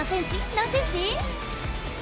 何センチ？